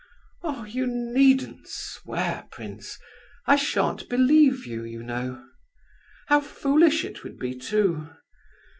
Oh! you needn't swear, prince, I shan't believe you, you know. How foolish it would be, too!